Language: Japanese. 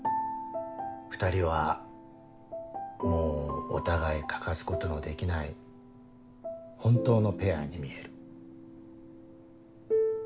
２人はもうお互い欠かすことのできない本当のペアに見える。